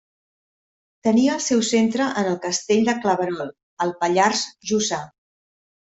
Tenia el seu centre en el castell de Claverol, al Pallars Jussà.